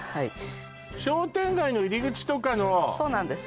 商店街の入り口とかのそうなんです